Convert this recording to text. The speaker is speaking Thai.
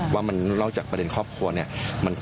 ว่ามันนอกจากประเด็นครอบครัวเนี่ย